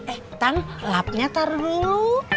eh tan lapnya taruh dulu